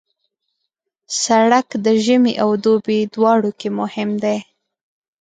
سړک د ژمي او دوبي دواړو کې مهم دی.